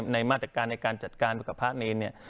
ในมาตรการในการจัดการกับพระเนรเนี่ย